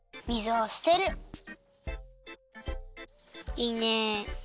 いいね。